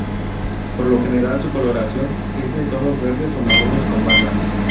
Por lo general su coloración ese de tonos verdes o marrones con bandas.